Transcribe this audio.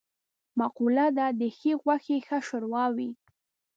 مقوله ده: د ښې غوښې ښه شوروا وي.